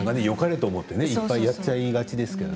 よかれと思っていっぱいやっちゃいがちです